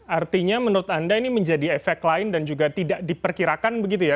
artinya menurut anda ini menjadi efek lain dan juga tidak diperkirakan begitu ya